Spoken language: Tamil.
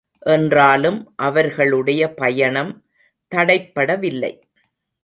என்றாலும் அவர்களுடைய பயணம் தடைப்படவில்லை.